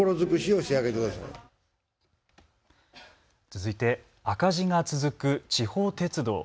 続いて、赤字が続く地方鉄道。